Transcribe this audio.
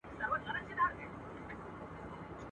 ډېر مي د اورنګ او خوشحال خان.